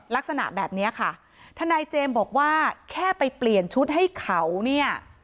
ลักษณะแบบนี้ค่ะทนายเจมส์บอกว่าแค่ไปเปลี่ยนชุดให้เขาเนี่ย